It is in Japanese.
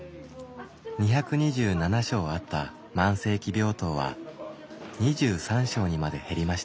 ２２７床あった慢性期病棟は２３床にまで減りました。